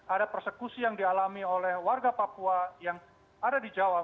ada persekusi yang dialami oleh warga papua yang ada di jawa